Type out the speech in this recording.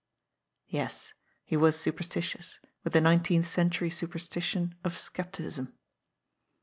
Yes, he was superstitious, with the nineteenth century superstition of scepticism.